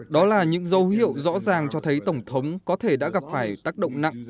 đó là những dấu hiệu rõ ràng cho thấy tổng thống có thể đã gặp phải tác động nặng